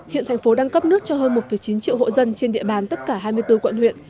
hiện thành phố đang cấp nước cho hơn một chín triệu hộ dân trên địa bàn tất cả hai mươi bốn quận huyện